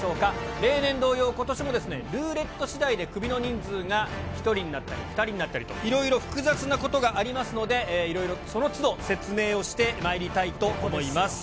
例年同様、ことしもルーレットしだいでクビの人数が、１人になったり、２人になったりと、いろいろ複雑なことがありますので、いろいろそのつど、説明をしてまいりたいと思います。